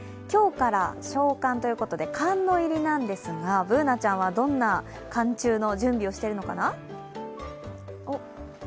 今日から小寒ということで寒の入りなんですが、Ｂｏｏｎａちゃんはどんな寒中の準備をしているのかな？